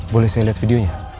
boleh saya lihat videonya